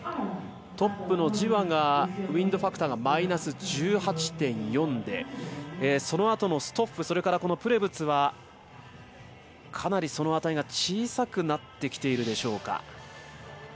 トップのジワがウインドファクターがマイナス１８．４でそのあとのストッフそれからこのプレブツはかなり、その値が小さくなってきているでしょうか。